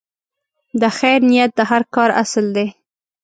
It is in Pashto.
د خیر نیت د هر کار اصل دی.